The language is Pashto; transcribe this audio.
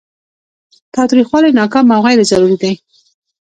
تاوتریخوالی ناکام او غیر ضروري دی.